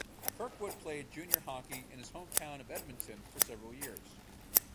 Kirkwood played junior hockey in his hometown of Edmonton for several years.